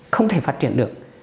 không thể phát triển được